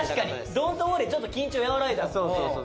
「Ｄｏｎ’ｔウォーリー」ちょっと緊張和らいだもんね。